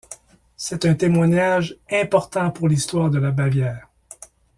C’est un témoignage important pour l'histoire de la Bavière.